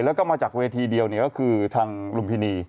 แล้วก็มาจากเวทีเดียวก็คือทางลุมพินี